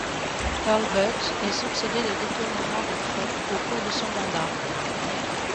Hurlbut est soupçonné de détournement de fonds au cours de son mandat.